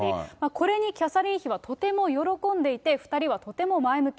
これにキャサリン妃はとても喜んでいて、２人はとても前向き。